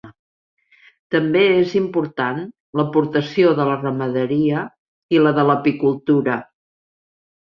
També és important l'aportació de la ramaderia i la de l'apicultura.